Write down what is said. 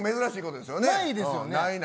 ないですよね。